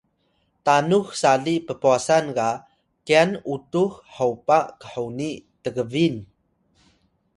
tanux sali ppwasan ga kyan utux hopa khoni Tgbin